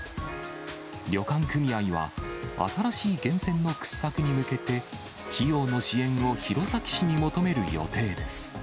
旅館組合は、新しい源泉の掘削に向けて、費用の支援を弘前市に求める予定です。